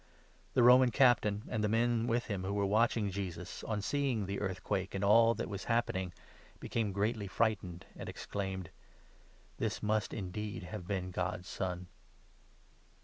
The Roman Captain, and the men with him 54 who were watching Jesus, on seeing the earthquake and all that was happening, became greatly frightened and exclaimed : "This must indeed have been God's Son